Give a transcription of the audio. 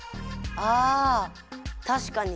あたしかに！